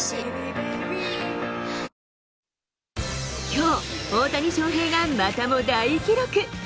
きょう、大谷翔平がまたも大記録。